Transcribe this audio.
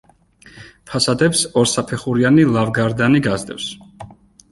ფასადებს ორსაფეხურიანი ლავგარდანი გასდევს.